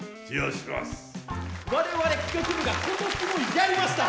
我々企画部が今年もやりました！